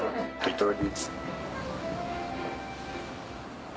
いただきます。